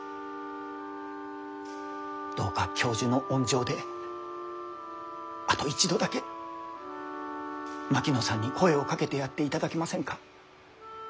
どうか教授の温情であと一度だけ槙野さんに声をかけてやっていただけませんか？